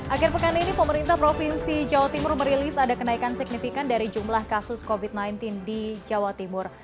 akhir pekan ini pemerintah provinsi jawa timur merilis ada kenaikan signifikan dari jumlah kasus covid sembilan belas di jawa timur